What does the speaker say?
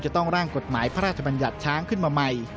จะต้องร่างกฎหมายพระราชบัญญัติช้างขึ้นมาใหม่